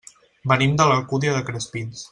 Venim de l'Alcúdia de Crespins.